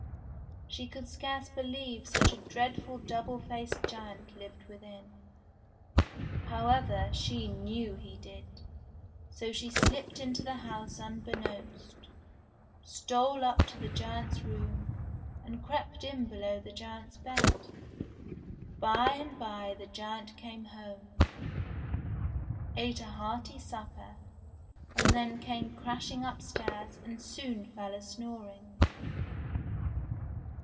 She could scarce believe such a dreadful double faced giant lived within. How ever she knew he did ; so she slipped into the house unbe knownst, stole up to the giant's room, and crept in below the giant's bed. By and by the giant came home, ate a hearty supper, and then came crashing upstairs, and soon fell a snoring.